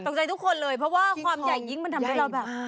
ใจทุกคนเลยเพราะว่าความใหญ่ยิ่งมันทำให้เราแบบ